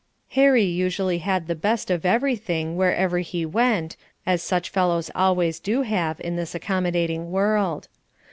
Harry usually had the best of everything, wherever he went, as such fellows always do have in this accommodating world.